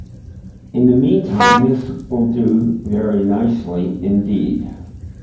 In the meantime, this'll do very nicely indeed.